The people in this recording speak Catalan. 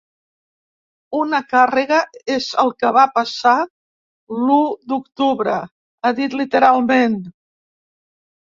Una càrrega és el que va passar l’u d’octubre, ha dit literalment.